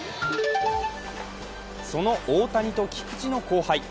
その大谷と菊池の後輩